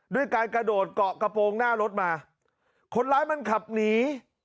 ด้วยการกระโดดเกาะกระโปรงหน้ารถมาคนร้ายมันขับหนี